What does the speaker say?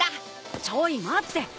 ちょい待って。